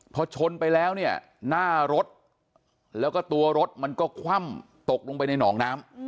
พอชนไปแล้วเนี่ยหน้ารถแล้วก็ตัวรถมันก็คว่ำตกลงไปในหนองน้ำ